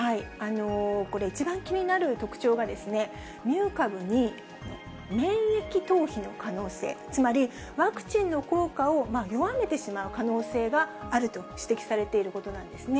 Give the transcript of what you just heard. これ、一番気になる特徴が、ミュー株に免疫逃避の可能性、つまりワクチンの効果を弱めてしまう可能性があると指摘されていることなんですね。